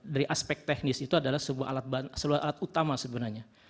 dari aspek teknis itu adalah sebuah alat utama sebenarnya